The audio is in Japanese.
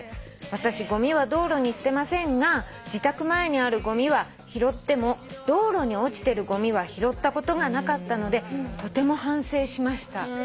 「私ごみは道路に捨てませんが自宅前にあるごみは拾っても道路に落ちてるごみは拾ったことがなかったのでとても反省しました」